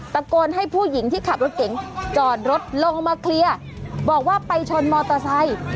ตะโกนให้ผู้หญิงที่ขับรถเก๋งจอดรถลงมาเคลียร์บอกว่าไปชนมอเตอร์ไซค์